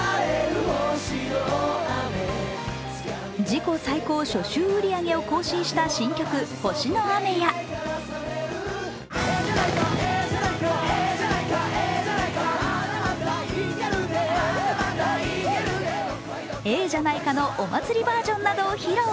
自己最高初週売り上げを更新した新曲「星の雨」や「ええじゃないか」のお祭りバージョンなどを披露。